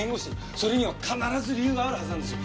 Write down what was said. それには必ず理由があるはずなんですよ。